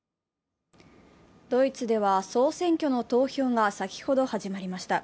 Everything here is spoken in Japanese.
ドイツでは総選挙の投票が先ほど始まりました。